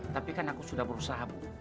tapi kan aku sudah berusaha bu